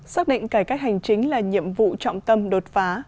xác định cải cách hành chính là nhiệm vụ trọng tâm đột phá